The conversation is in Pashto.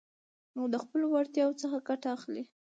او د خپلو وړتياوو څخه ګټه واخلٸ.